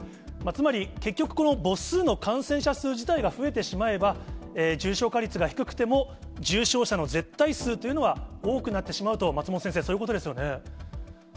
つまり、結局、この母数の感染者数自体が増えてしまえば、重症化率が低くても、重症者の絶対数というのは多くなってしまうと、松本先生、そういそうですね。